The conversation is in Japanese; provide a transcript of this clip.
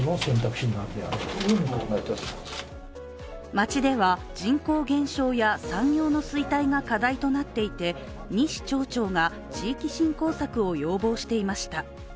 町では人口減少や産業の衰退が課題となっていて西町長が地域振興策を要望していました。